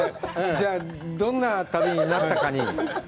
じゃあ、どんな旅になったかに。